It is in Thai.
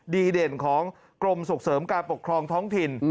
เด่นของกรมส่งเสริมการปกครองท้องถิ่น